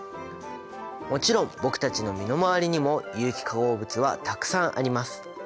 もちろん僕たちの身の回りにも有機化合物はたくさんあります。